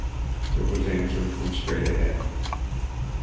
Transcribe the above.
It was answered from straight ahead.